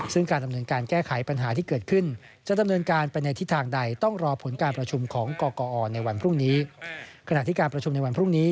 ซึ่งการดำเนินการแก้ไขปัญหาที่เกิดขึ้นจะดำเนินการไปในที่ทางใดต้องรอผลการประชุมของกกอในวันพรุ่งนี้